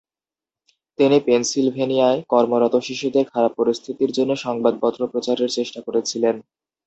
তিনি পেনসিলভেনিয়ায় কর্মরত শিশুদের খারাপ পরিস্থিতির জন্য সংবাদপত্র প্রচারের চেষ্টা করেছিলেন।